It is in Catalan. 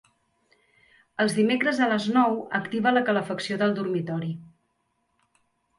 Els dimecres a les nou activa la calefacció del dormitori.